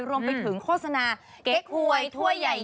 รวมไปถึงโฆษณาเก๊กหวยถ้วยใหญ่